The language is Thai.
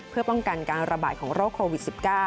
เพื่อป้องกันการระบาดของโรคโควิด๑๙